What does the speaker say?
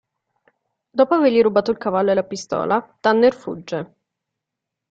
Dopo avergli rubato il cavallo e la pistola, Tanner fugge.